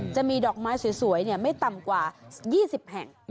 จะมีดอกไม้สวยไม่ต่ำกว่า๒๐แห่ง